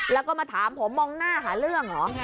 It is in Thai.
แล้วก็มาถามผมมองหน้าหาเรื่องเหรอ